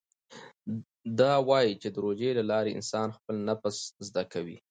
ده وايي چې د روژې له لارې انسان خپل نفس زده کوي.